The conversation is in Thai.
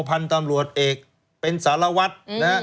พันธุ์ตำรวจเอกเป็นสารวัตรนะฮะ